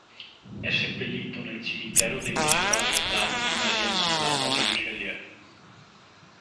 È seppellito nel cimitero dei Missionari Oblati di Maria Immacolata di Richelieu.